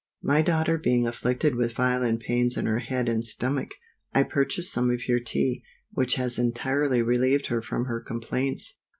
MY daughter being afflicted with violent pains in her head and stomach, I purchased some of your Tea, which has entirely relieved her from her complaints.